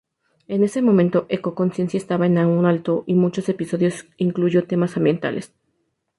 En ese momento, Eco-conciencia estaba en un alto, y muchos episodios incluyó temas ambientales.